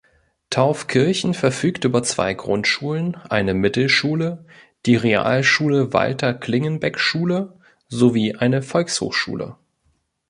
Taufkirchen verfügt über zwei Grundschulen, eine Mittelschule, die Realschule Walter-Klingenbeck-Schule, sowie eine Volkshochschule.